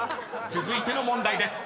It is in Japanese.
［続いての問題です］